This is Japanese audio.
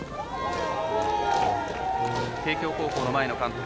帝京高校の前の監督